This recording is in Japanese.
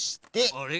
あれ？